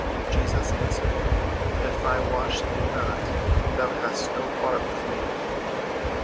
Jesus answered, "If I wash thee not, thou hast no part with me."